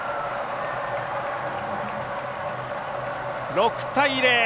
６対０